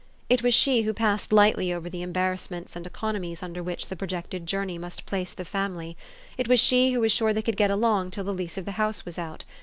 It was she who passed lightly over the embarrassments and economies under which the pro jected journey must place the family. It was she who was sure they could get along till the lease of the house was out.